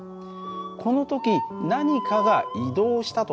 この時何かが移動したと考え